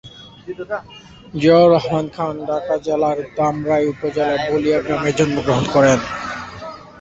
জিয়াউর রহমান খান ঢাকা জেলার ধামরাই উপজেলার বালিয়া গ্রামে জন্মগ্রহণ করেন।